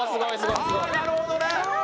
ああなるほどね！